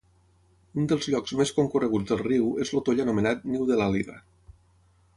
Un dels llocs més concorreguts del riu és el toll anomenat Niu de l'Àliga.